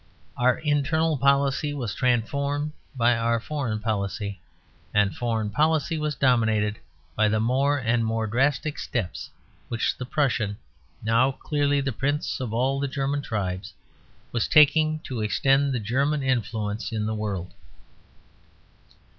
Our internal policy was transformed by our foreign policy; and foreign policy was dominated by the more and more drastic steps which the Prussian, now clearly the prince of all the German tribes, was taking to extend the German influence in the world.